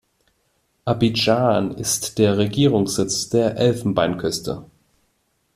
Abidjan ist der Regierungssitz der Elfenbeinküste.